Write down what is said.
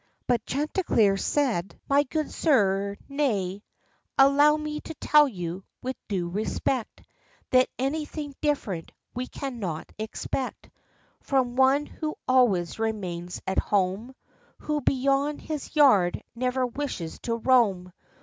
But Chanticleer said, "My good sir, nay: Allow me to tell you, with due respect, That any thing different we cannot expect From one who always remains at home, — Who beyond his yard never wishes to roam.